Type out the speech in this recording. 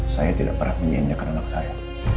saya tidak pernah menginjakan anak saya